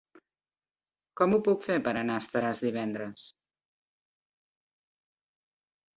Com ho puc fer per anar a Estaràs divendres?